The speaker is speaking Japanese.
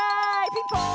ピンポーン！